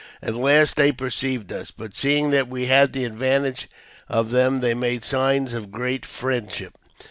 At last they perceived us ; but, seeing that we had the advantage of them, they made signs of great friendship.